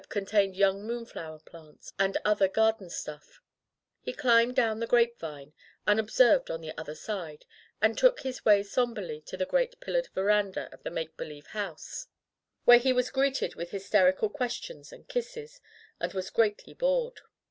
contained young moonflower plants and other garden stuff. He climbed down the grape vine, unob served on the other side, and took his way sombrely to the great pillared veranda of the make believe house, where he was [ 177 ] Digitized by LjOOQ IC Interventions greeted with hysterical questions and kisses, and was gready bored.